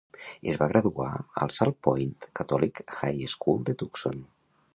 Es va graduar al Salpointe Catholic High School de Tucson.